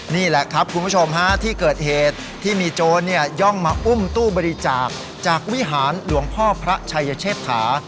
นี่แหละครับคุณผู้ชมฮะที่เกิดเหตุที่มีโจรย่องมาอุ้มตู้บริจาคจากวิหารหลวงพ่อพระชัยเชษฐา